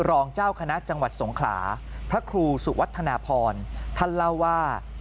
รองเจ้าคณะจังหวัดสงขลาพระครูสุวัฒนาพรท่านเล่าว่า